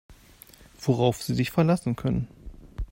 Worauf Sie sich verlassen können.